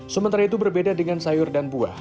sementara itu berbeda dengan sayur dan buah